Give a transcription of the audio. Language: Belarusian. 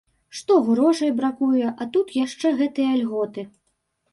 Што грошай бракуе, а тут яшчэ гэтыя льготы.